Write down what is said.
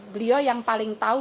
beliau yang paling tahu